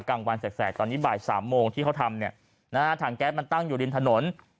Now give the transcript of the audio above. กลางวันแสกตอนนี้บ่าย๓โมงที่เขาทำเนี่ยนะฮะถังแก๊สมันตั้งอยู่ริมถนน